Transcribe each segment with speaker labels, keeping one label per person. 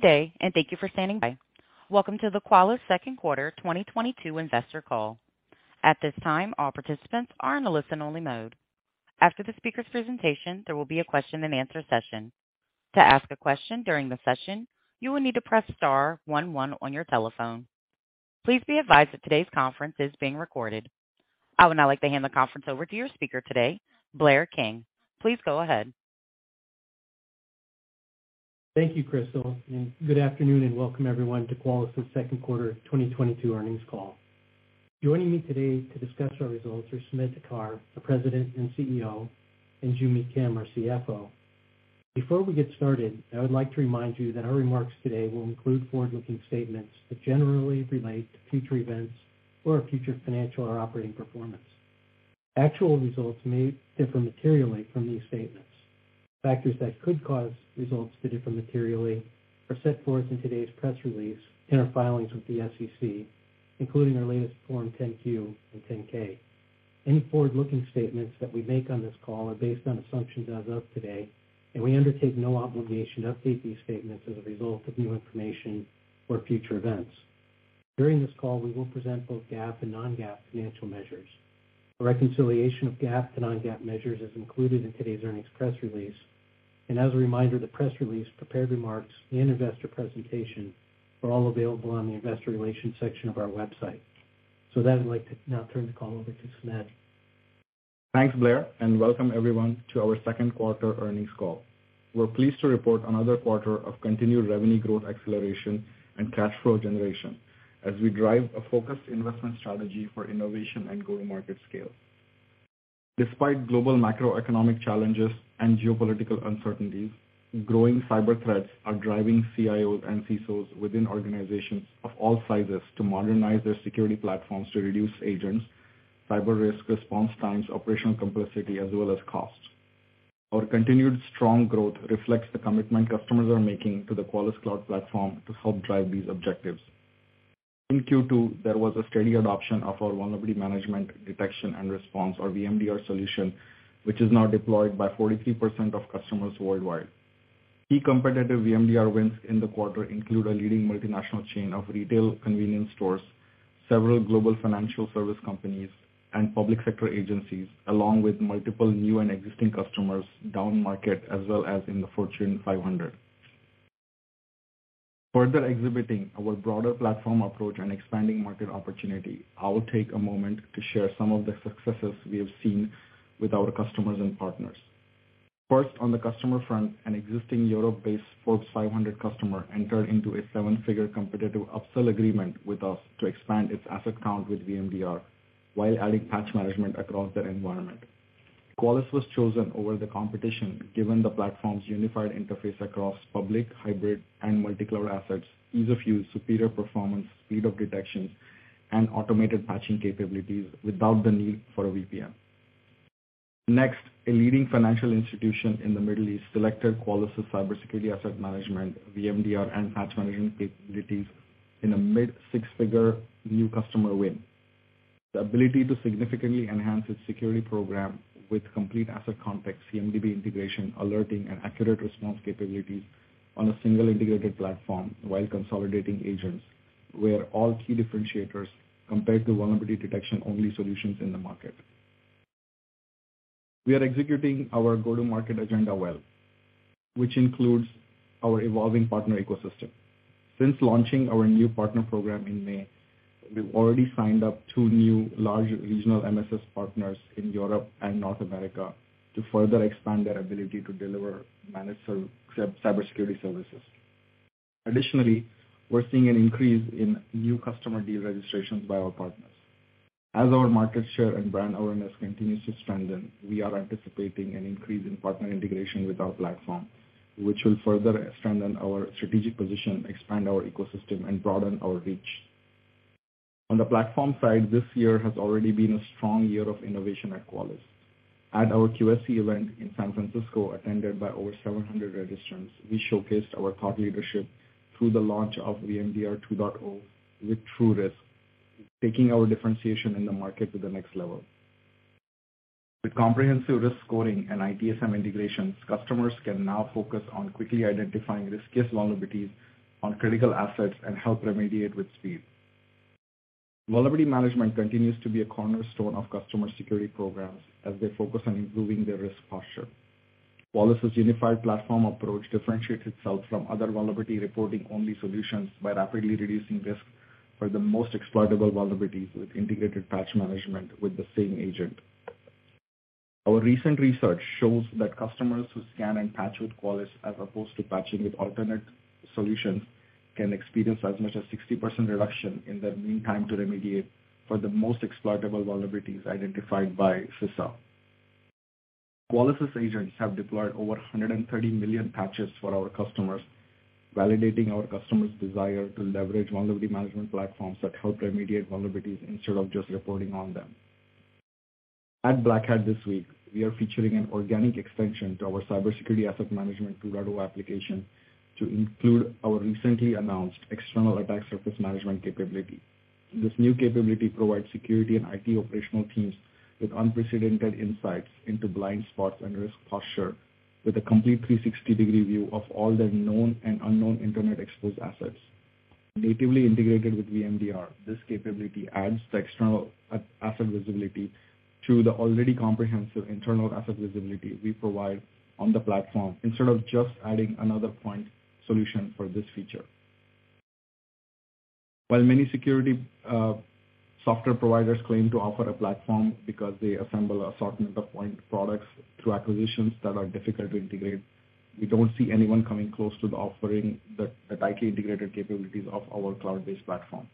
Speaker 1: Good day, and thank you for standing by. Welcome to the Qualys Second Quarter 2022 Investor Call. At this time, all participants are in a listen-only mode. After the speaker's presentation, there will be a question-and-answer session. To ask a question during the session, you will need to press star one one on your telephone. Please be advised that today's conference is being recorded. I would now like to hand the conference over to your speaker today, Blair King. Please go ahead.
Speaker 2: Thank you, Crystal, and good afternoon and welcome everyone to Qualys' Second Quarter 2022 Earnings Call. Joining me today to discuss our results are Sumedh Thakar, our President and CEO, and Joo Mi Kim, our CFO. Before we get started, I would like to remind you that our remarks today will include forward-looking statements that generally relate to future events or our future financial or operating performance. Actual results may differ materially from these statements. Factors that could cause results to differ materially are set forth in today's press release in our filings with the SEC, including our latest Form 10-Q and 10-K. Any forward-looking statements that we make on this call are based on assumptions as of today, and we undertake no obligation to update these statements as a result of new information or future events. During this call, we will present both GAAP and non-GAAP financial measures. A reconciliation of GAAP to non-GAAP measures is included in today's earnings press release. As a reminder, the press release, prepared remarks, and investor presentation are all available on the investor relations section of our website. With that, I'd like to now turn the call over to Sumedh.
Speaker 3: Thanks, Blair, and welcome everyone to our Second Quarter Earnings Call. We're pleased to report another quarter of continued revenue growth acceleration and cash flow generation as we drive a focused investment strategy for innovation and go-to-market scale. Despite global macroeconomic challenges and geopolitical uncertainties, growing cyber threats are driving CIOs and CSOs within organizations of all sizes to modernize their security platforms to reduce agents, cyber risk response times, operational complexity, as well as cost. Our continued strong growth reflects the commitment customers are making to the Qualys cloud platform to help drive these objectives. In Q2, there was a steady adoption of our Vulnerability Management, Detection, and Response, or VMDR solution, which is now deployed by 43% of customers worldwide. Key competitive VMDR wins in the quarter include a leading multinational chain of retail convenience stores, several global financial service companies, and public sector agencies, along with multiple new and existing customers downmarket as well as in the Fortune 500. Further exhibiting our broader platform approach and expanding market opportunity, I will take a moment to share some of the successes we have seen with our customers and partners. First, on the customer front, an existing Europe-based Fortune 500 customer entered into a seven-figure competitive upsell agreement with us to expand its asset count with VMDR while adding Patch Management across their environment. Qualys was chosen over the competition given the platform's unified interface across public, hybrid, and multi-cloud assets, ease of use, superior performance, speed of detection, and automated patching capabilities without the need for a VPN. Next, a leading financial institution in the Middle East selected Qualys' Cybersecurity Asset Management, VMDR, and Patch Management capabilities in a mid-six-figure new customer win. The ability to significantly enhance its security program with complete asset context, CMDB integration, alerting, and accurate response capabilities on a single integrated platform while consolidating agents were all key differentiators compared to vulnerability detection-only solutions in the market. We are executing our go-to-market agenda well, which includes our evolving partner ecosystem. Since launching our new partner program in May, we've already signed up two new large regional MSS partners in Europe and North America to further expand their ability to deliver managed cybersecurity services. Additionally, we're seeing an increase in new customer deal registrations by our partners. As our market share and brand awareness continues to strengthen, we are anticipating an increase in partner integration with our platform, which will further strengthen our strategic position, expand our ecosystem, and broaden our reach. On the platform side, this year has already been a strong year of innovation at Qualys. At our QSC event in San Francisco, attended by over 700 registrants, we showcased our thought leadership through the launch of VMDR 2.0 with TruRisk, taking our differentiation in the market to the next level. With comprehensive risk scoring and ITSM integrations, customers can now focus on quickly identifying riskiest vulnerabilities on critical assets and help remediate with speed. Vulnerability management continues to be a cornerstone of customer security programs as they focus on improving their risk posture. Qualys' unified platform approach differentiates itself from other vulnerability reporting-only solutions by rapidly reducing risk for the most exploitable vulnerabilities with integrated patch management with the same agent. Our recent research shows that customers who scan and patch with Qualys as opposed to patching with alternate solutions can experience as much as 60% reduction in their mean time to remediate for the most exploitable vulnerabilities identified by CISA. Qualys' agents have deployed over 130 million patches for our customers, validating our customers' desire to leverage vulnerability management platforms that help remediate vulnerabilities instead of just reporting on them. At Black Hat this week, we are featuring an organic extension to our Cybersecurity Asset Management 2.0 application to include our recently announced External Attack Surface Management capability. This new capability provides security and IT operational teams with unprecedented insights into blind spots and risk posture with a complete 360-degree view of all the known and unknown internet-exposed assets. Natively integrated with VMDR, this capability adds the external asset visibility to the already comprehensive internal asset visibility we provide on the platform instead of just adding another point solution for this feature. While many security software providers claim to offer a platform because they assemble an assortment of point products through acquisitions that are difficult to integrate, we don't see anyone coming close to offering the tightly integrated capabilities of our cloud-based platform.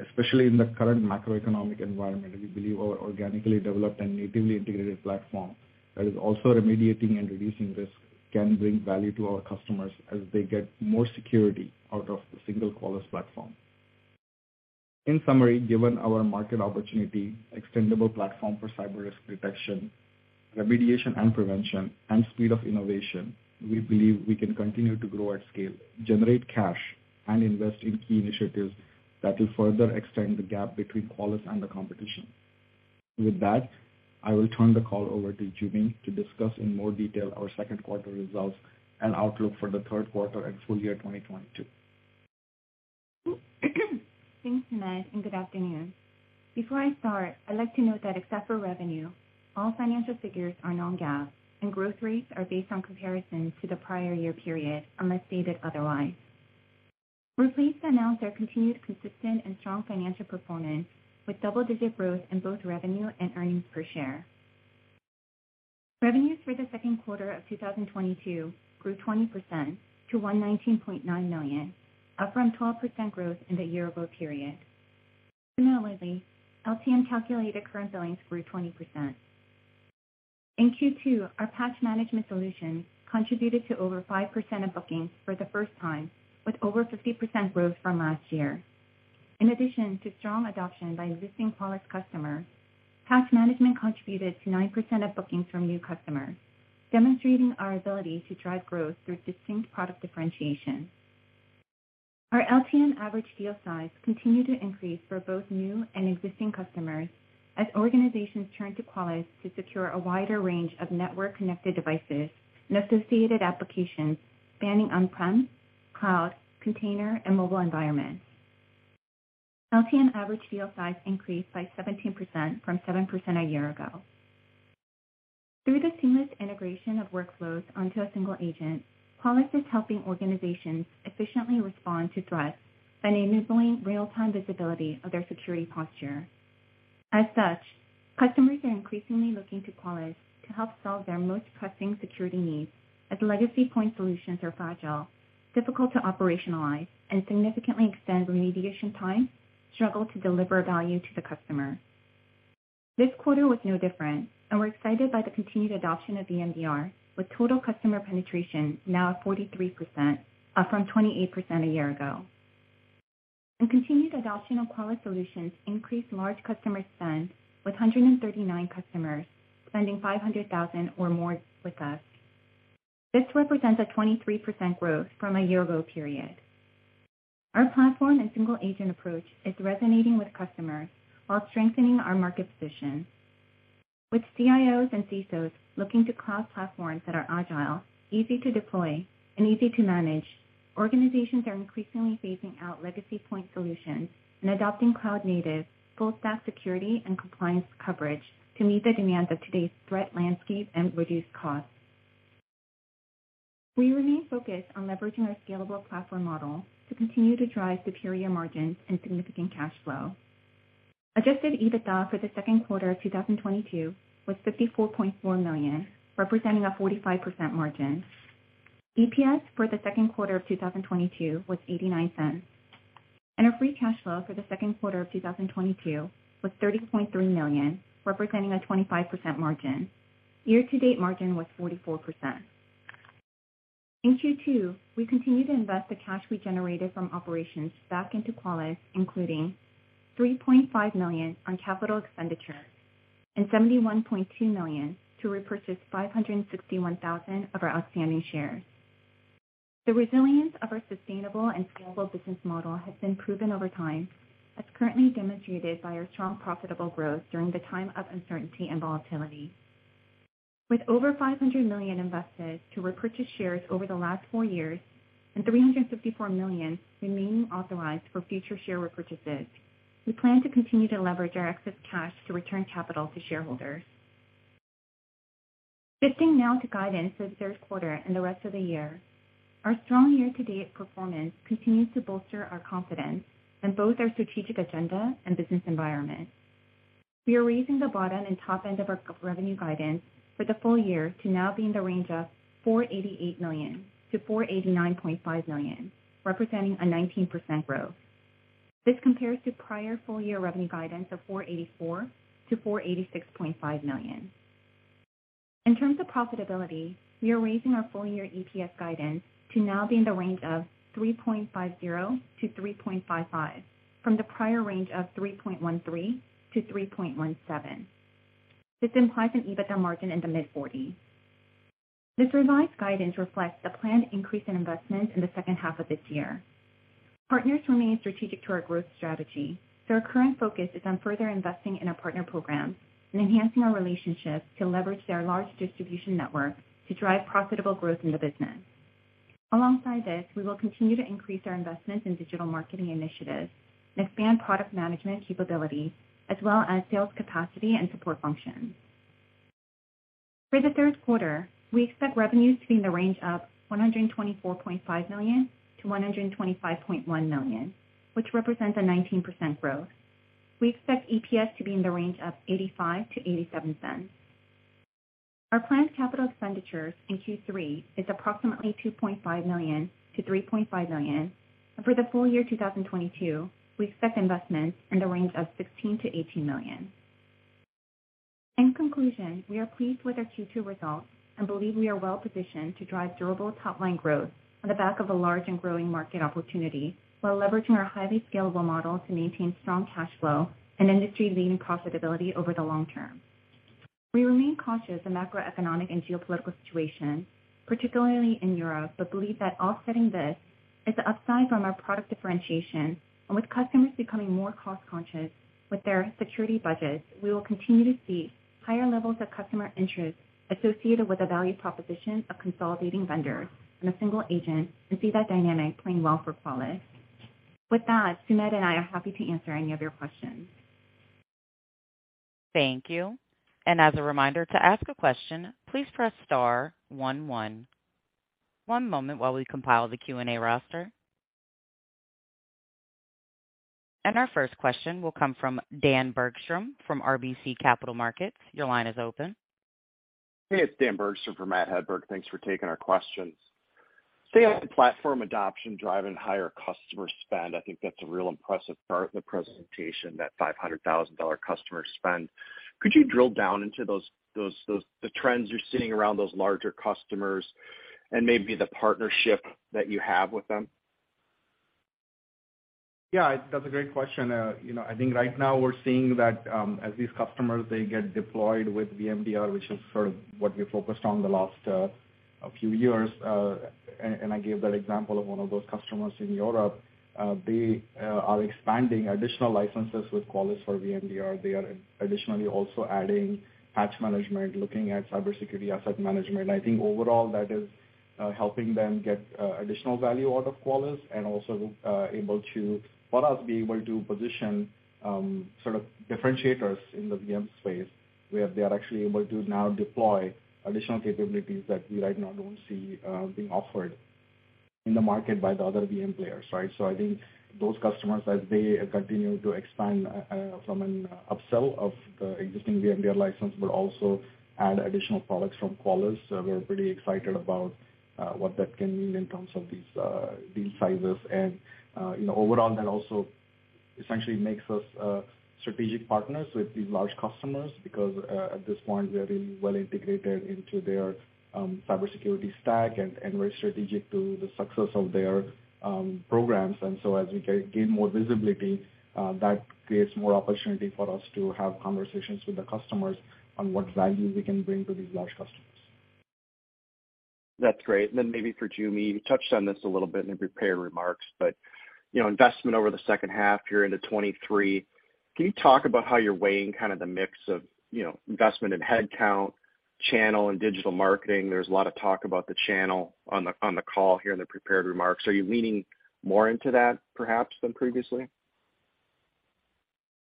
Speaker 3: Especially in the current macroeconomic environment, we believe our organically developed and natively integrated platform that is also remediating and reducing risk can bring value to our customers as they get more security out of the single Qualys platform. In summary, given our market opportunity, extendable platform for cyber risk protection, remediation, and prevention and speed of innovation, we believe we can continue to grow at scale, generate cash and invest in key initiatives that will further extend the gap between Qualys and the competition. With that, I will turn the call over to Joo Mi to discuss in more detail our second quarter results and outlook for the third quarter and full year 2022.
Speaker 4: Thanks, Sumedh, and good afternoon. Before I start, I'd like to note that except for revenue, all financial figures are non-GAAP, and growth rates are based on comparison to the prior year period, unless stated otherwise. We're pleased to announce our continued consistent and strong financial performance with double-digit growth in both revenue and earnings per share. Revenues for the second quarter of 2022 grew 20% to $119.9 million, up from 12% growth in the year ago period. Similarly, LTM calculated current billings grew 20%. In Q2, our Patch Management solution contributed to over 5% of bookings for the first time with over 50% growth from last year. In addition to strong adoption by existing Qualys customers, Patch Management contributed to 9% of bookings from new customers, demonstrating our ability to drive growth through distinct product differentiation. Our LTM average deal size continued to increase for both new and existing customers as organizations turn to Qualys to secure a wider range of network-connected devices and associated applications spanning on-prem, cloud, container, and mobile environments. LTM average deal size increased by 17% from 7% a year ago. Through the seamless integration of workflows onto a single agent, Qualys is helping organizations efficiently respond to threats by enabling real-time visibility of their security posture. As such, customers are increasingly looking to Qualys to help solve their most pressing security needs, as legacy point solutions are fragile, difficult to operationalize, and significantly extend remediation time, struggle to deliver value to the customer. This quarter was no different, and we're excited by the continued adoption of VMDR, with total customer penetration now at 43%, up from 28% a year ago. The continued adoption of Qualys solutions increased large customer spend, with 139 customers spending $500,000 or more with us. This represents a 23% growth from a year-ago period. Our platform and single agent approach is resonating with customers while strengthening our market position. With CIOs and CSOs looking to cloud platforms that are agile, easy to deploy, and easy to manage, organizations are increasingly phasing out legacy point solutions and adopting cloud-native full-stack security and compliance coverage to meet the demands of today's threat landscape and reduce costs. We remain focused on leveraging our scalable platform model to continue to drive superior margins and significant cash flow. Adjusted EBITDA for the second quarter of 2022 was $54.4 million, representing a 45% margin. EPS for the second quarter of 2022 was $0.89, and our free cash flow for the second quarter of 2022 was $30.3 million, representing a 25% margin. Year to date margin was 44%. In Q2, we continued to invest the cash we generated from operations back into Qualys, including $3.5 million on capital expenditure and $71.2 million to repurchase 561,000 of our outstanding shares. The resilience of our sustainable and scalable business model has been proven over time, as currently demonstrated by our strong profitable growth during the time of uncertainty and volatility. With over $500 million invested to repurchase shares over the last four years and $354 million remaining authorized for future share repurchases, we plan to continue to leverage our excess cash to return capital to shareholders. Shifting now to guidance for the third quarter and the rest of the year. Our strong year-to-date performance continues to bolster our confidence in both our strategic agenda and business environment. We are raising the bottom and top end of our revenue guidance for the full year to now be in the range of $488 million-$489.5 million, representing a 19% growth. This compares to prior full year revenue guidance of $484 million-$486.5 million. In terms of profitability, we are raising our full year EPS guidance to now be in the range of 3.50-3.55 from the prior range of 3.13-3.17. This implies an EBITDA margin in the mid-40s%. This revised guidance reflects the planned increase in investment in the second half of this year. Partners remain strategic to our growth strategy, so our current focus is on further investing in our partner program and enhancing our relationships to leverage their large distribution network to drive profitable growth in the business. Alongside this, we will continue to increase our investment in digital marketing initiatives and expand product management capability as well as sales capacity and support functions. For the third quarter, we expect revenues to be in the range of $124.5 million-$125.1 million, which represents a 19% growth. We expect EPS to be in the range of $0.85-$0.87. Our planned capital expenditures in Q3 is approximately $2.5 million-$3.5 million. For the full year, 2022, we expect investments in the range of $16 million-$18 million. In conclusion, we are pleased with our Q2 results and believe we are well positioned to drive durable top line growth on the back of a large and growing market opportunity while leveraging our highly scalable model to maintain strong cash flow and industry-leading profitability over the long term. We remain conscious of macroeconomic and geopolitical situation, particularly in Europe, but believe that offsetting this is the upside from our product differentiation. With customers becoming more cost conscious with their security budgets, we will continue to see higher levels of customer interest associated with the value proposition of consolidating vendors and a single agent and see that dynamic playing well for Qualys. With that, Sumedh and I are happy to answer any of your questions.
Speaker 1: Thank you. As a reminder, to ask a question, please press star one one. One moment while we compile the Q&A roster. Our first question will come from Dan Bergstrom from RBC Capital Markets. Your line is open.
Speaker 5: Hey, it's Dan Bergstrom for Matt Hedberg. Thanks for taking our questions. So how the platform adoption driving higher customer spend. I think that's a real impressive part of the presentation, that $500,000 customer spend. Could you drill down into those the trends you're seeing around those larger customers and maybe the partnership that you have with them?
Speaker 3: Yeah, that's a great question. You know, I think right now we're seeing that, as these customers, they get deployed with VMDR, which is sort of what we focused on the last few years. And I gave that example of one of those customers in Europe. They are expanding additional licenses with Qualys for VMDR. They are additionally also adding Patch Management, looking at Cybersecurity Asset Management. I think overall that is helping them get additional value out of Qualys and also for us be able to position sort of differentiators in the VM space where they are actually able to now deploy additional capabilities that we right now don't see being offered in the market by the other VM players, right? I think those customers, as they continue to expand, from an upsell of the existing VMDR license, but also add additional products from Qualys, we're pretty excited about what that can mean in terms of these deal sizes. You know, overall, that also essentially makes us strategic partners with these large customers because at this point, we are really well integrated into their cybersecurity stack and very strategic to the success of their programs. As we gain more visibility, that creates more opportunity for us to have conversations with the customers on what value we can bring to these large customers.
Speaker 5: That's great. Maybe for Joo Mi, you touched on this a little bit in the prepared remarks, but, you know, investment over the second half you're into 2023. Can you talk about how you're weighing kind of the mix of, you know, investment in headcount, channel and digital marketing? There's a lot of talk about the channel on the call here in the prepared remarks. Are you leaning more into that perhaps than previously?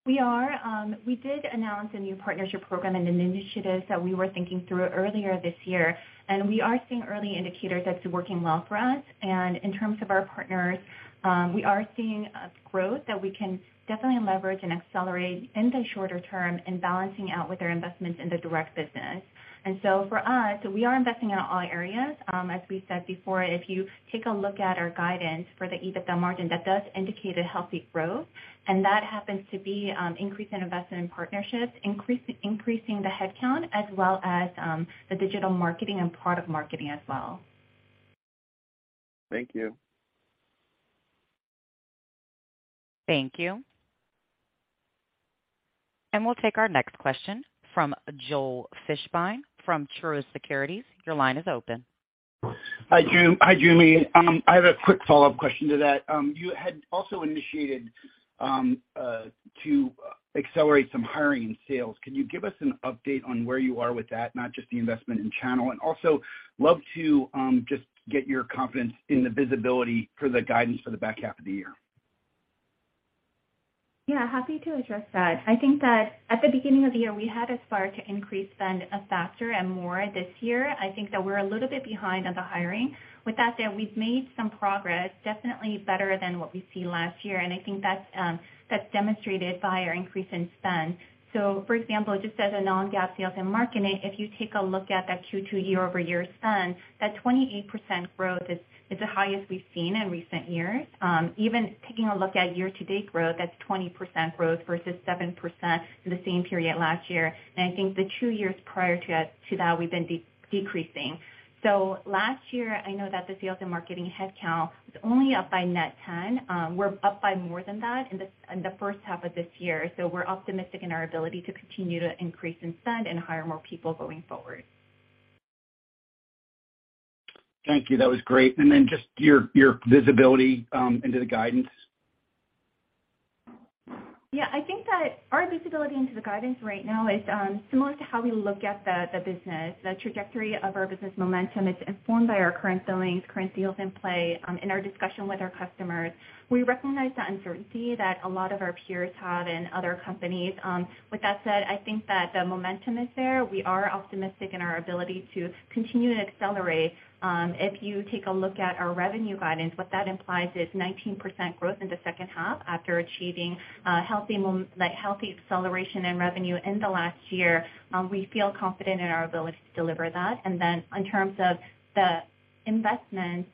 Speaker 4: We are. We did announce a new partnership program and an initiative that we were thinking through earlier this year, and we are seeing early indicators that's working well for us. In terms of our partners, we are seeing a growth that we can definitely leverage and accelerate in the shorter term in balancing out with our investments in the direct business. For us, we are investing in all areas. As we said before, if you take a look at our guidance for the EBITDA margin, that does indicate a healthy growth and that happens to be, increase in investment in partnerships, increasing the headcount as well as, the digital marketing and product marketing as well.
Speaker 5: Thank you.
Speaker 1: Thank you. We'll take our next question from Joel Fishbein from Truist Securities. Your line is open.
Speaker 6: Hi, Joo Mi. I have a quick follow-up question to that. You had also initiated to accelerate some hiring in sales. Can you give us an update on where you are with that, not just the investment in channel, and I'd also love to just get your confidence in the visibility for the guidance for the back half of the year.
Speaker 4: Yeah, happy to address that. I think that at the beginning of the year, we had aspired to increase spend faster and more this year. I think that we're a little bit behind on the hiring. With that said, we've made some progress, definitely better than what we see last year, and I think that's demonstrated by our increase in spend. For example, just as a non-GAAP sales and marketing, if you take a look at that Q2 year-over-year spend, that 28% growth is the highest we've seen in recent years. Even taking a look at year-to-date growth, that's 20% growth versus 7% in the same period last year. I think the two years prior to that we've been decreasing. Last year I know that the sales and marketing headcount was only up by net 10. We're up by more than that in the first half of this year. We're optimistic in our ability to continue to increase in spend and hire more people going forward.
Speaker 6: Thank you. That was great. Just your visibility into the guidance.
Speaker 4: Yeah. I think that our visibility into the guidance right now is similar to how we look at the business. The trajectory of our business momentum is informed by our current billings, current deals in play, in our discussion with our customers. We recognize the uncertainty that a lot of our peers have and other companies. With that said, I think that the momentum is there. We are optimistic in our ability to continue to accelerate. If you take a look at our revenue guidance, what that implies is 19% growth in the second half after achieving like healthy acceleration and revenue in the last year. We feel confident in our ability to deliver that. In terms of the investment,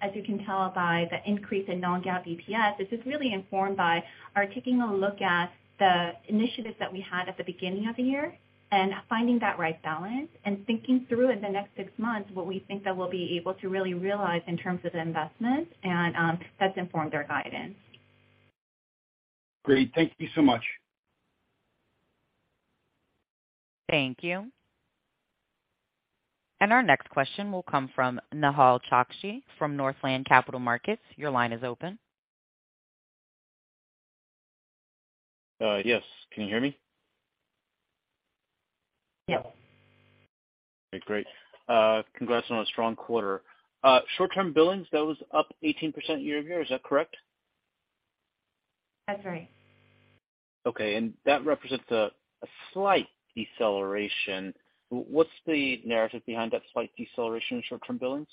Speaker 4: as you can tell by the increase in non-GAAP EPS, this is really informed by our taking a look at the initiatives that we had at the beginning of the year and finding that right balance and thinking through in the next six months what we think that we'll be able to really realize in terms of the investment and, that's informed our guidance.
Speaker 6: Great. Thank you so much.
Speaker 1: Thank you. Our next question will come from Nehal Chokshi from Northland Capital Markets. Your line is open.
Speaker 7: Yes. Can you hear me?
Speaker 1: Yes.
Speaker 7: Okay, great. Congrats on a strong quarter. Short-term billings, that was up 18% year-over-year. Is that correct?
Speaker 4: That's right.
Speaker 7: Okay. That represents a slight deceleration. What's the narrative behind that slight deceleration in short-term billings?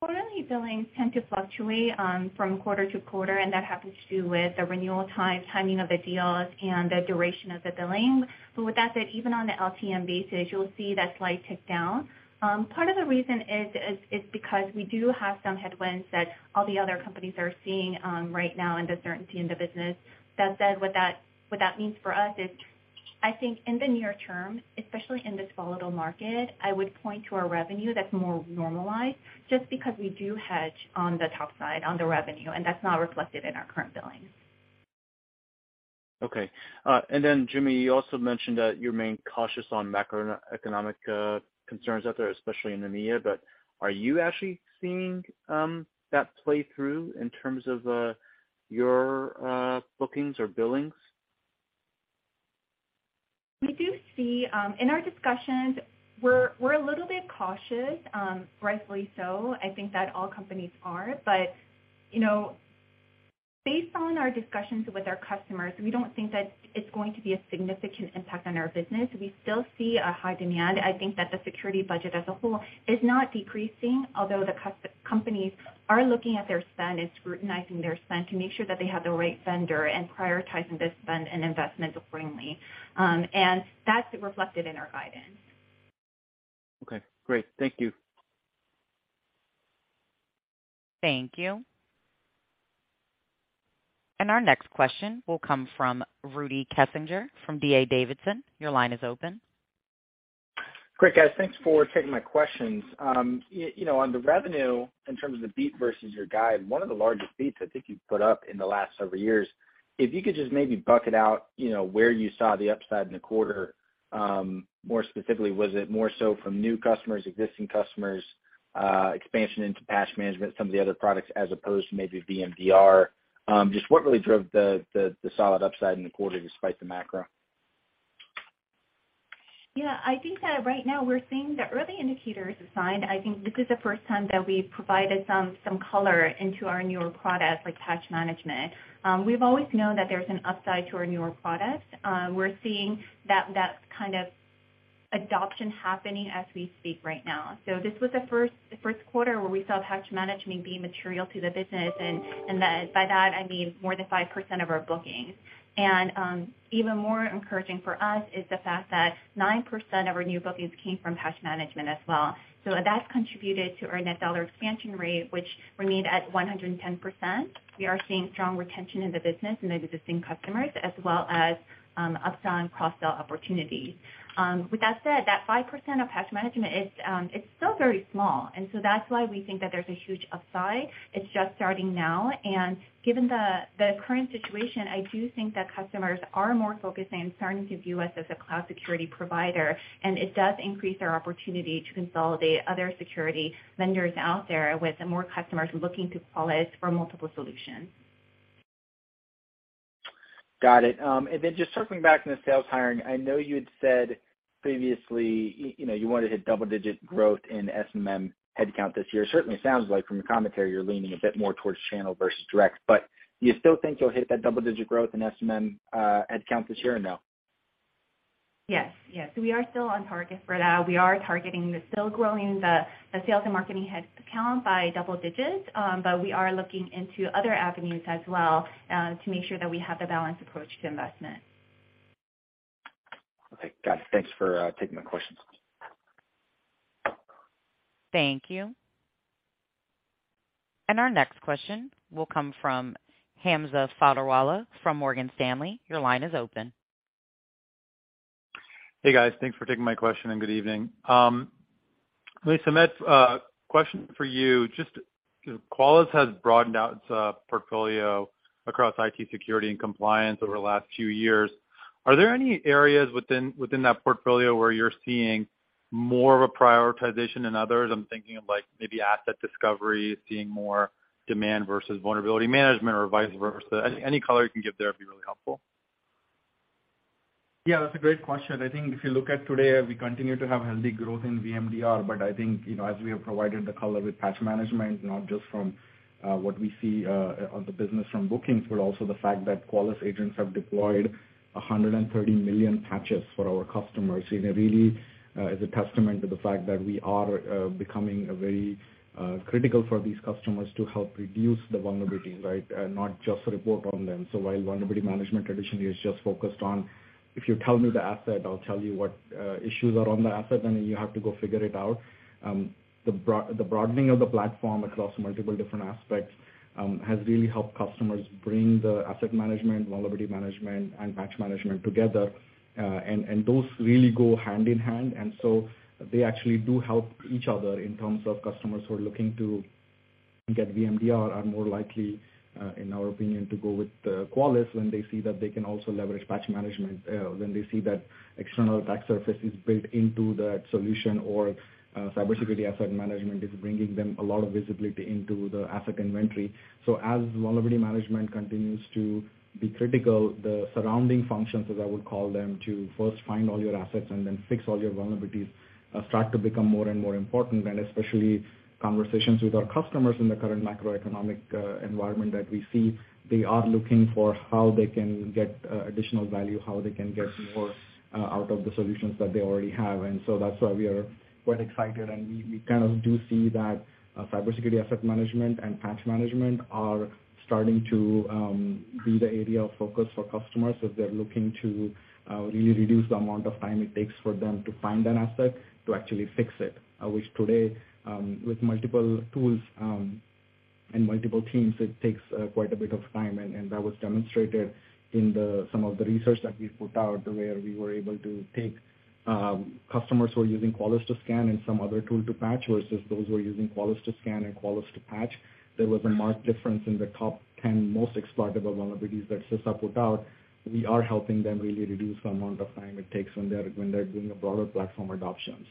Speaker 4: Quarterly billings tend to fluctuate from quarter to quarter, and that happens to do with the renewal time, timing of the deals and the duration of the billing. With that said, even on the LTM basis, you'll see that slight tick down. Part of the reason is because we do have some headwinds that all the other companies are seeing right now and the certainty in the business. That said, what that means for us is I think in the near term, especially in this volatile market, I would point to our revenue that's more normalized just because we do hedge on the top side, on the revenue, and that's not reflected in our current billings.
Speaker 7: Okay. Joo Mi, you also mentioned that you remain cautious on macroeconomic concerns out there, especially in EMEA, but are you actually seeing that play through in terms of your bookings or billings?
Speaker 4: We do see in our discussions, we're a little bit cautious, rightfully so. I think that all companies are. You know, based on our discussions with our customers, we don't think that it's going to be a significant impact on our business. We still see a high demand. I think that the security budget as a whole is not decreasing, although the customer companies are looking at their spend and scrutinizing their spend to make sure that they have the right vendor and prioritizing the spend and investment accordingly. That's reflected in our guidance.
Speaker 7: Okay, great. Thank you.
Speaker 1: Thank you. Our next question will come from Rudy Kessinger from D.A. Davidson. Your line is open.
Speaker 8: Great, guys. Thanks for taking my questions. You know, on the revenue in terms of the beat versus your guide, one of the largest beats I think you've put up in the last several years. If you could just maybe bucket out, you know, where you saw the upside in the quarter, more specifically, was it more so from new customers, existing customers, expansion into Patch Management, some of the other products as opposed to maybe VMDR? Just what really drove the solid upside in the quarter despite the macro?
Speaker 4: Yeah. I think that right now we're seeing the early indicators of signs. I think this is the first time that we've provided some color into our newer products like Patch Management. We've always known that there's an upside to our newer products. We're seeing that kind of adoption happening as we speak right now. This was the first quarter where we saw Patch Management being material to the business. By that, I mean more than 5% of our bookings. Even more encouraging for us is the fact that 9% of our new bookings came from Patch Management as well. That's contributed to our net dollar expansion rate, which remained at 110%. We are seeing strong retention in the business and the existing customers as well as upside cross-sell opportunities. With that said, that 5% of Patch Management is, it's still very small, and so that's why we think that there's a huge upside. It's just starting now. Given the current situation, I do think that customers are more focusing and starting to view us as a cloud security provider, and it does increase our opportunity to consolidate other security vendors out there with more customers looking to call us for multiple solutions.
Speaker 8: Got it. Just circling back to the sales hiring, I know you had said previously, you know, you wanted to hit double-digit growth in S&M headcount this year. It certainly sounds like from your commentary, you're leaning a bit more towards channel versus direct. Do you still think you'll hit that double-digit growth in S&M headcount this year or no?
Speaker 4: Yes. Yes, we are still on target for that. We are targeting to still grow the sales and marketing headcount by double digits. We are looking into other avenues as well, to make sure that we have the balanced approach to investment.
Speaker 8: Okay. Got it. Thanks for taking my questions.
Speaker 1: Thank you. Our next question will come from Hamza Fodderwala from Morgan Stanley. Your line is open.
Speaker 9: Hey, guys. Thanks for taking my question and good evening. Hey, Sumedh, question for you. Just because Qualys has broadened out its portfolio across IT security and compliance over the last few years, are there any areas within that portfolio where you're seeing more of a prioritization than others? I'm thinking of like maybe asset discovery is seeing more demand versus vulnerability management or vice versa. Any color you can give there would be really helpful.
Speaker 3: Yeah, that's a great question. I think if you look at today, we continue to have healthy growth in VMDR, but I think, you know, as we have provided the color with patch management, not just from what we see on the business from bookings, but also the fact that Qualys agents have deployed 130 million patches for our customers, you know, really is a testament to the fact that we are becoming very critical for these customers to help reduce the vulnerability, right, not just report on them. While vulnerability management traditionally is just focused on, if you tell me the asset, I'll tell you what issues are on the asset, and you have to go figure it out. The broadening of the platform across multiple different aspects has really helped customers bring the asset management, vulnerability management and patch management together. Those really go hand in hand. They actually do help each other in terms of customers who are looking to get VMDR are more likely, in our opinion, to go with Qualys when they see that they can also leverage patch management, when they see that external attack surface is built into that solution or cybersecurity asset management is bringing them a lot of visibility into the asset inventory. As vulnerability management continues to be critical, the surrounding functions, as I would call them, to first find all your assets and then fix all your vulnerabilities, start to become more and more important. Especially conversations with our customers in the current macroeconomic environment that we see, they are looking for how they can get additional value, how they can get more out of the solutions that they already have. That's why we are quite excited. We kind of do see that Cybersecurity Asset Management and Patch Management are starting to be the area of focus for customers as they're looking to really reduce the amount of time it takes for them to find an asset to actually fix it. Which today with multiple tools and multiple teams, it takes quite a bit of time. That was demonstrated in some of the research that we put out, where we were able to take customers who are using Qualys to scan and some other tool to patch versus those who are using Qualys to scan and Qualys to patch. There was a marked difference in the top 10 most exploitable vulnerabilities that CISA put out. We are helping them really reduce the amount of time it takes when they're doing a broader platform adoption.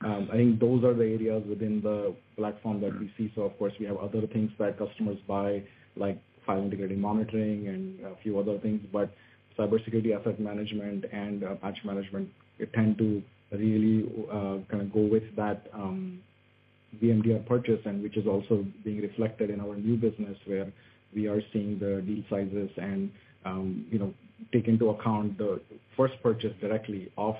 Speaker 3: I think those are the areas within the platform that we see. Of course, we have other things that customers buy, like File Integrity Monitoring and a few other things, but Cybersecurity Asset Management and patch management, they tend to really kind of go with that VMDR purchase, and which is also being reflected in our new business where we are seeing the deal sizes and you know take into account the first purchase directly of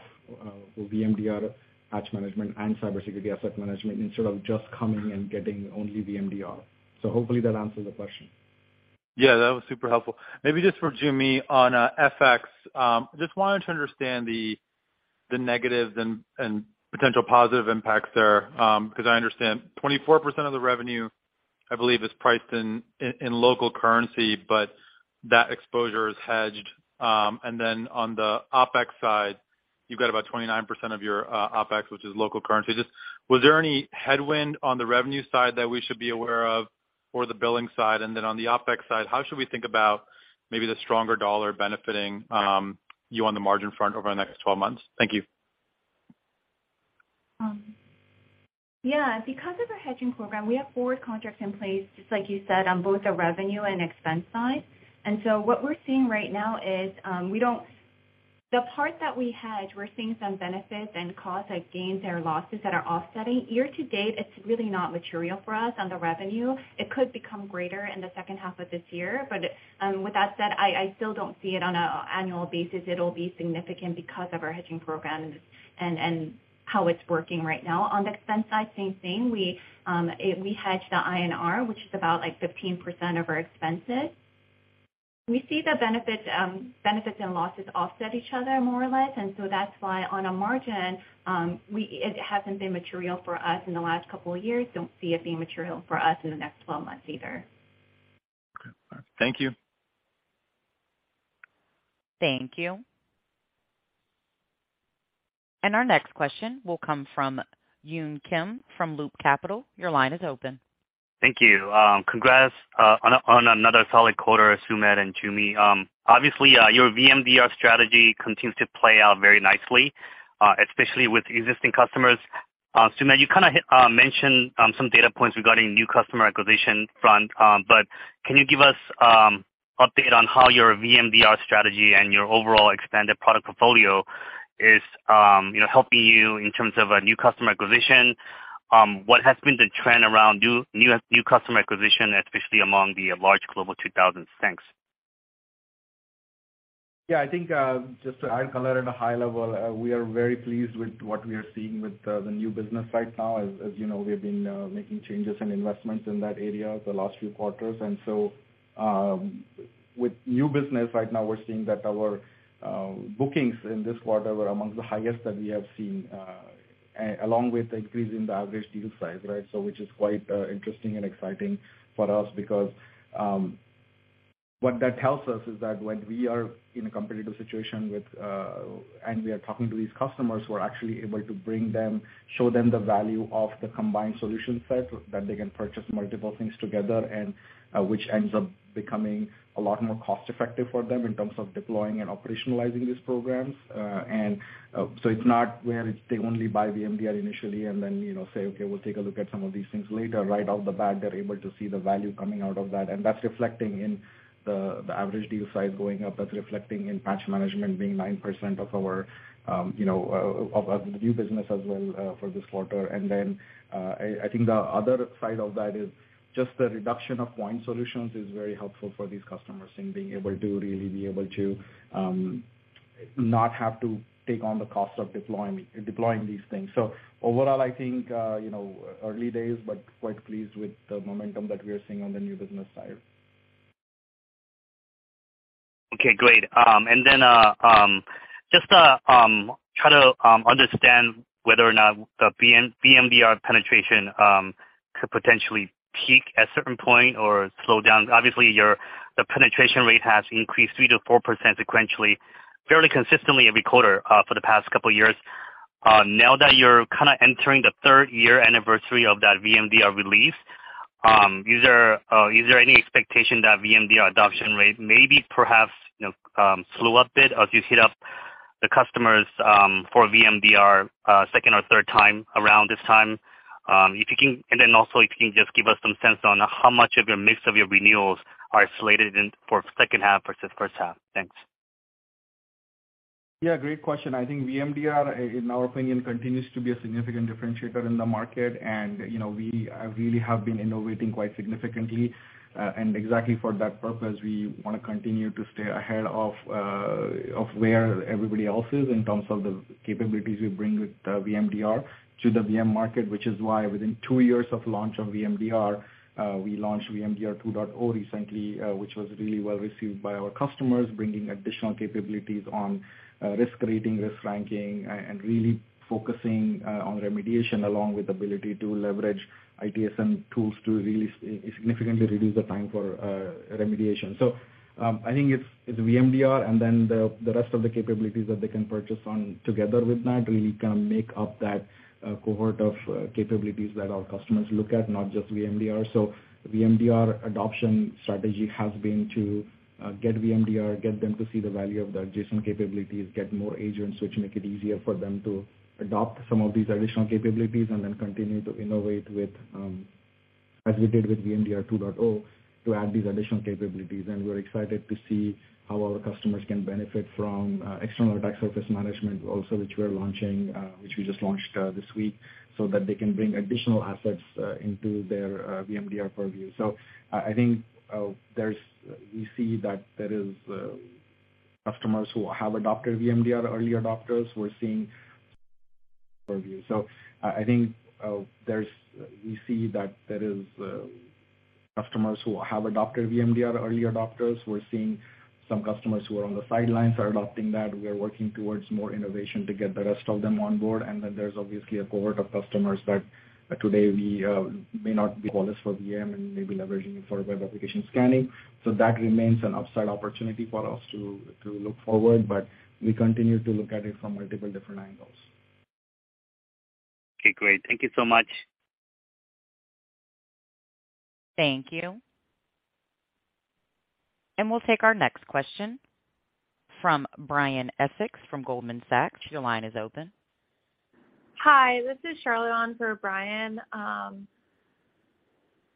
Speaker 3: VMDR patch management and Cybersecurity Asset Management instead of just coming and getting only VMDR. Hopefully that answers the question.
Speaker 9: Yeah, that was super helpful. Maybe just for Joo Mi on FX. Just wanted to understand the negatives and potential positive impacts there. Because I understand 24% of the revenue, I believe, is priced in local currency, but that exposure is hedged. On the Opex side, you've got about 29% of your Opex, which is local currency. Just was there any headwind on the revenue side that we should be aware of or the billing side? On the Opex side, how should we think about maybe the stronger dollar benefiting you on the margin front over the next 12 months? Thank you.
Speaker 4: Yeah, because of our hedging program, we have forward contracts in place, just like you said, on both the revenue and expense side. What we're seeing right now is, the part that we hedge, we're seeing some benefits and costs, like gains or losses that are offsetting. Year to date, it's really not material for us on the revenue. It could become greater in the second half of this year. With that said, I still don't see it on an annual basis; it'll be significant because of our hedging program and how it's working right now. On the expense side, same thing. We hedge the INR, which is about like 15% of our expenses. We see the benefits and losses offset each other more or less. That's why on a margin, it hasn't been material for us in the last couple of years. Don't see it being material for us in the next twelve months either.
Speaker 9: Okay. All right. Thank you.
Speaker 1: Thank you. Our next question will come from Yun Kim from Loop Capital. Your line is open.
Speaker 10: Thank you. Congrats on another solid quarter, Sumedh and Joo Mi. Obviously, your VMDR strategy continues to play out very nicely, especially with existing customers. Sumedh, you kinda mentioned some data points regarding new customer acquisition front, but can you give us update on how your VMDR strategy and your overall expanded product portfolio is, you know, helping you in terms of a new customer acquisition? What has been the trend around new customer acquisition, especially among the large Global 2000? Thanks.
Speaker 3: Yeah, I think, just to add color at a high level, we are very pleased with what we are seeing with the new business right now. As you know, we have been making changes and investments in that area the last few quarters. With new business right now, we're seeing that our bookings in this quarter were among the highest that we have seen, along with the increase in the average deal size, right? Which is quite interesting and exciting for us because what that tells us is that when we are in a competitive situation with and we are talking to these customers, we're actually able to show them the value of the combined solution set that they can purchase multiple things together and which ends up becoming a lot more cost-effective for them in terms of deploying and operationalizing these programs. It's not that they only buy VMDR initially and then, you know, say, okay, we'll take a look at some of these things later. Right out of the gate, they're able to see the value coming out of that. That's reflecting in the average deal size going up. That's reflecting in Patch Management being 9% of our new business as well for this quarter. I think the other side of that is just the reduction of point solutions is very helpful for these customers in being able to really not have to take on the cost of deploying these things. Overall, I think early days, but quite pleased with the momentum that we are seeing on the new business side.
Speaker 10: Okay, great. Then, just to try to understand whether or not the VMDR penetration could potentially peak at a certain point or slow down. Obviously, the penetration rate has increased 3%-4% sequentially, fairly consistently every quarter, for the past couple years. Now that you're kinda entering the third year anniversary of that VMDR release, is there any expectation that VMDR adoption rate may be perhaps, you know, slow up a bit as you hit up the customers for VMDR second or third time around this time? If you can just give us some sense on how much of your mix of renewals are slated in for second half versus first half. Thanks.
Speaker 3: Yeah, great question. I think VMDR in our opinion continues to be a significant differentiator in the market. You know, we really have been innovating quite significantly. Exactly for that purpose, we wanna continue to stay ahead of where everybody else is in terms of the capabilities we bring with VMDR to the VM market. Which is why within two years of launch of VMDR, we launched VMDR 2.0 recently, which was really well received by our customers, bringing additional capabilities on risk rating, risk ranking, and really focusing on remediation along with the ability to leverage ITSM tools to really significantly reduce the time for remediation. I think it's VMDR and then the rest of the capabilities that they can purchase on together with that really can make up that cohort of capabilities that our customers look at, not just VMDR. VMDR adoption strategy has been to get VMDR, get them to see the value of the adjacent capabilities, get more agents which make it easier for them to adopt some of these additional capabilities, and then continue to innovate, as we did with VMDR 2.0, to add these additional capabilities. We're excited to see how our customers can benefit from External Attack Surface Management also, which we just launched this week, so that they can bring additional assets into their VMDR purview. I think we see that there is customers who have adopted VMDR, early adopters. We're seeing some customers who are on the sidelines are adopting that. We are working towards more innovation to get the rest of them on board. Then there's obviously a cohort of customers that today we may not be flawless for VM and may be leveraging it for web application scanning. That remains an upside opportunity for us to look forward, but we continue to look at it from multiple different angles.
Speaker 10: Okay, great. Thank you so much.
Speaker 1: Thank you. We'll take our next question from Brian Essex from Goldman Sachs. Your line is open.
Speaker 11: Hi, this is Charlotte on for Brian.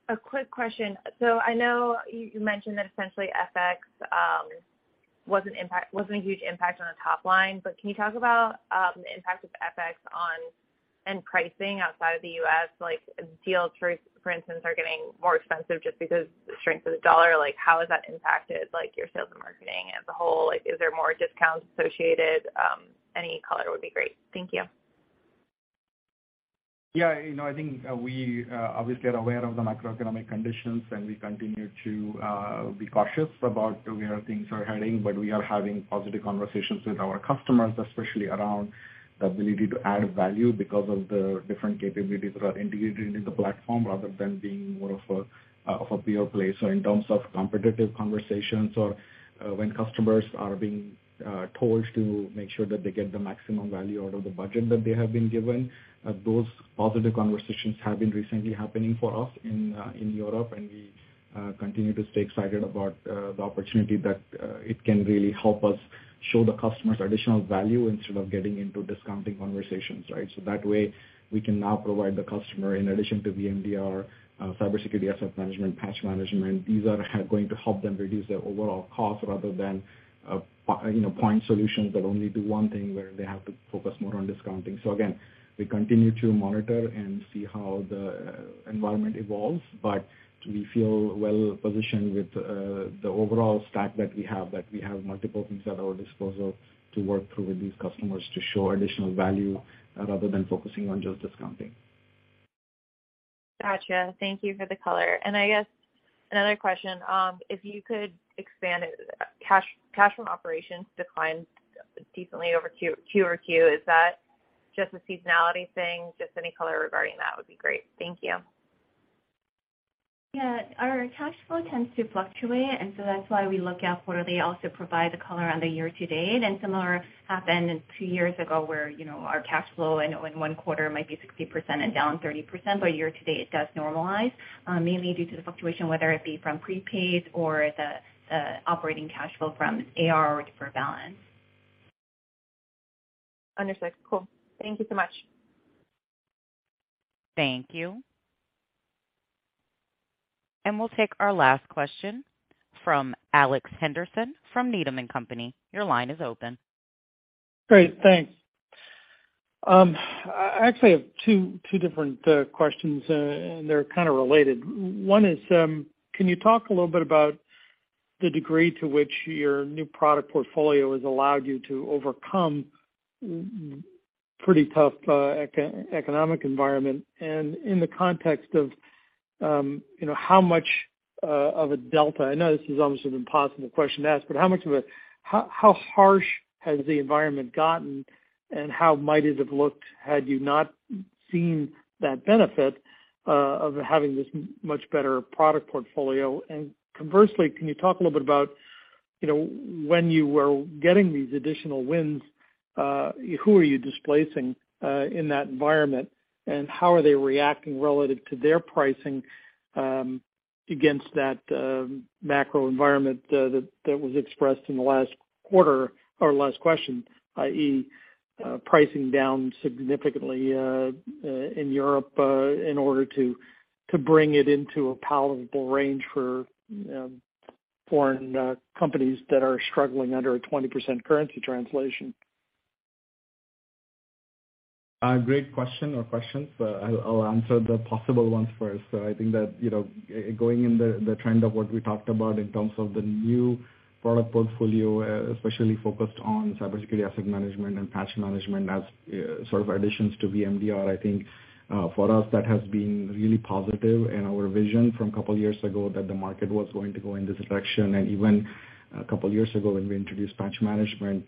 Speaker 11: A quick question. I know you mentioned that essentially FX wasn't a huge impact on the top line, but can you talk about the impact of FX on, and pricing outside of the U.S.? Like deals, for instance, are getting more expensive just because the strength of the dollar. Like, how has that impacted your sales and marketing as a whole? Like, is there more discounts associated? Any color would be great. Thank you.
Speaker 3: Yeah. You know, I think we obviously are aware of the macroeconomic conditions, and we continue to be cautious about where things are heading. We are having positive conversations with our customers, especially around the ability to add value because of the different capabilities that are integrated in the platform rather than being more of a of a pure play. In terms of competitive conversations or when customers are being told to make sure that they get the maximum value out of the budget that they have been given, those positive conversations have been recently happening for us in in Europe. We continue to stay excited about the opportunity that it can really help us show the customers additional value instead of getting into discounting conversations, right? That way, we can now provide the customer in addition to VMDR, Cybersecurity Asset Management, Patch Management. These are going to help them reduce their overall cost rather than, you know, point solutions that only do one thing where they have to focus more on discounting. Again, we continue to monitor and see how the environment evolves, but we feel well positioned with the overall stack that we have, that we have multiple things at our disposal to work through with these customers to show additional value, rather than focusing on just discounting.
Speaker 11: Gotcha. Thank you for the color. I guess another question, if you could expand, cash from operations declined decently over Q, quarter two. Is that just a seasonality thing? Just any color regarding that would be great. Thank you.
Speaker 4: Yeah. Our cash flow tends to fluctuate, and so that's why we look at quarterly. Also provide the color on the year to date. Similar happened two years ago where, you know, our cash flow in one quarter might be 60% and down 30%, but year to date, it does normalize, mainly due to the fluctuation, whether it be from prepaid or the operating cash flow from AR or deferred balance.
Speaker 11: Understood. Cool. Thank you so much.
Speaker 1: Thank you. We'll take our last question from Alex Henderson from Needham & Company. Your line is open.
Speaker 12: Great. Thanks. I actually have two different questions, and they're kind of related. One is, can you talk a little bit about the degree to which your new product portfolio has allowed you to overcome pretty tough economic environment? And in the context of, you know, how much of a delta. I know this is almost an impossible question to ask, but how harsh has the environment gotten, and how might it have looked had you not seen that benefit of having this much better product portfolio? And conversely, can you talk a little bit about, you know, when you were getting these additional wins, who are you displacing in that environment? How are they reacting relative to their pricing against that macro environment that was expressed in the last quarter or last question, i.e., pricing down significantly in Europe in order to bring it into a palatable range for foreign companies that are struggling under a 20% currency translation?
Speaker 3: Great question or questions. I'll answer the possible ones first. I think that, you know, going in the trend of what we talked about in terms of the new product portfolio, especially focused on Cybersecurity Asset Management and Patch Management as sort of additions to VMDR. I think, for us, that has been really positive and our vision from a couple years ago that the market was going to go in this direction. Even a couple years ago when we introduced Patch Management,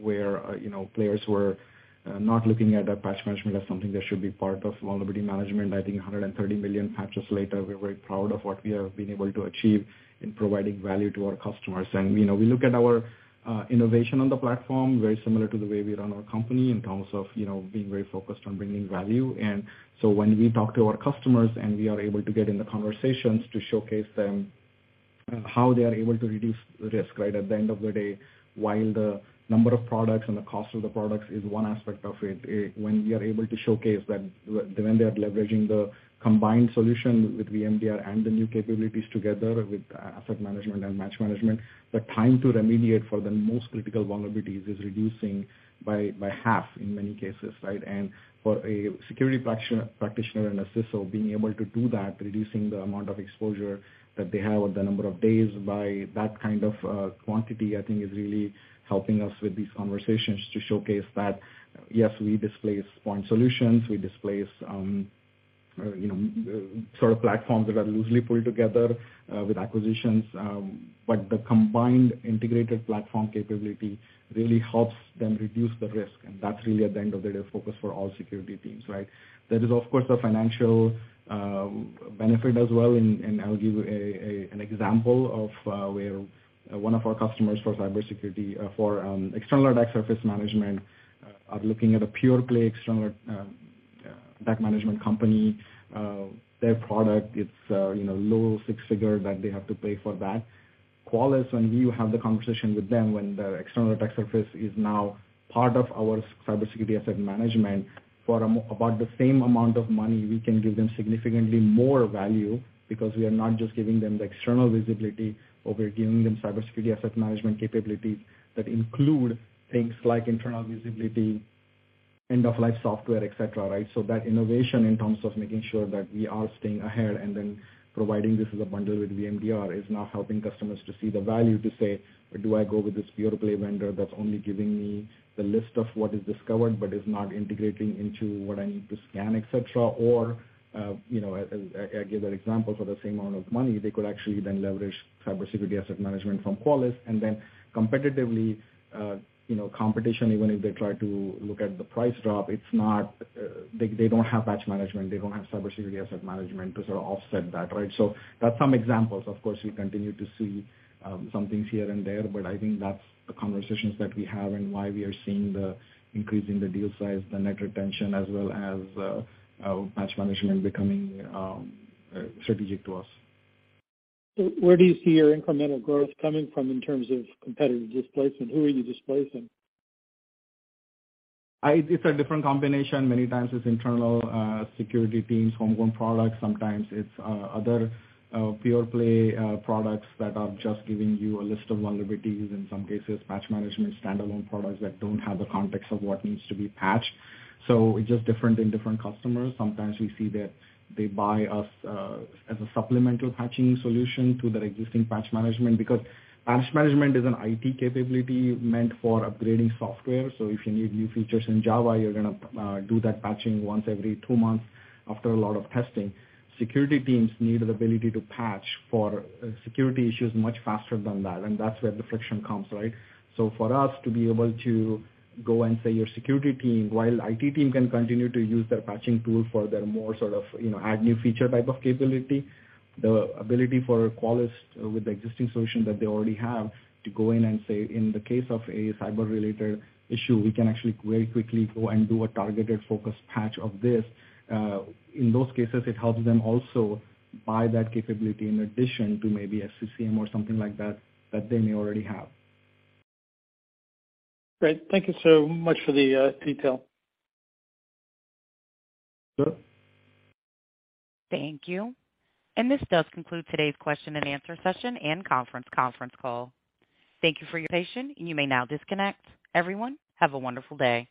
Speaker 3: where, you know, players were not looking at that Patch Management as something that should be part of Vulnerability Management. I think 130 million patches later, we're very proud of what we have been able to achieve in providing value to our customers. You know, we look at our innovation on the platform, very similar to the way we run our company in terms of, you know, being very focused on bringing value. When we talk to our customers and we are able to get in the conversations to showcase them how they are able to reduce risk, right? At the end of the day, while the number of products and the cost of the products is one aspect of it, when we are able to showcase that when they are leveraging the combined solution with VMDR and the new capabilities together with asset management and Patch Management, the time to remediate for the most critical vulnerabilities is reducing by half in many cases, right? For a security practitioner and a CISO, being able to do that, reducing the amount of exposure that they have with the number of days by that kind of quantity, I think is really helping us with these conversations to showcase that, yes, we displace point solutions. We displace, you know, sort of platforms that are loosely pulled together with acquisitions. The combined integrated platform capability really helps them reduce the risk, and that's really at the end of the day, the focus for all security teams, right? There is, of course, a financial benefit as well. I'll give an example of where one of our customers for cybersecurity for External Attack Surface Management are looking at a pure play external attack management company. Their product, it's, you know, low six figure that they have to pay for that. Qualys, when we have the conversation with them, when the External Attack Surface is now part of our Cybersecurity Asset Management, for about the same amount of money, we can give them significantly more value because we are not just giving them the external visibility, but we're giving them Cybersecurity Asset Management capabilities that include things like internal visibility, end of life software, et cetera, right? That innovation in terms of making sure that we are staying ahead and then providing this as a bundle with VMDR is now helping customers to see the value to say, "Do I go with this pure play vendor that's only giving me the list of what is discovered but is not integrating into what I need to scan, et cetera?" Or, you know, I'll give an example for the same amount of money, they could actually then leverage Cybersecurity Asset Management from Qualys. Competitively, you know, competition, even if they try to look at the price drop, it's not, they don't have Patch Management. They don't have Cybersecurity Asset Management to sort of offset that, right? That's some examples. Of course, we continue to see some things here and there, but I think that's the conversations that we have and why we are seeing the increase in the deal size, the net retention as well as Patch Management becoming strategic to us.
Speaker 12: where do you see your incremental growth coming from in terms of competitive displacement? Who are you displacing?
Speaker 3: It's a different combination. Many times it's internal security teams, homegrown products. Sometimes it's other pure play products that are just giving you a list of vulnerabilities. In some cases, Patch Management standalone products that don't have the context of what needs to be patched. It's just different in different customers. Sometimes we see that they buy us as a supplemental patching solution to their existing Patch Management. Because Patch Management is an IT capability meant for upgrading software. If you need new features in Java, you're gonna do that patching once every two months after a lot of testing. Security teams need the ability to patch for security issues much faster than that, and that's where the friction comes, right? For us to be able to go and say your security team, while IT team can continue to use their patching tool for their more sort of, you know, add new feature type of capability, the ability for Qualys with the existing solution that they already have to go in and say in the case of a cyber related issue, we can actually very quickly go and do a targeted focus patch of this. In those cases, it helps them also by that capability in addition to maybe a SCCM or something like that they may already have.
Speaker 12: Great. Thank you so much for the detail.
Speaker 3: Sure.
Speaker 1: Thank you. This does conclude today's question and answer session and conference call. Thank you for your patience. You may now disconnect. Everyone, have a wonderful day.